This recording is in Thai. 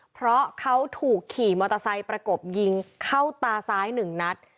เพราะเขาถูกขี่มอเตอร์ไซค์ประกบยิงเข้าตาซ้าย๑นัด